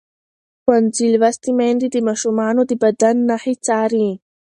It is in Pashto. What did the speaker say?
ښوونځې لوستې میندې د ماشومانو د بدن نښې څاري.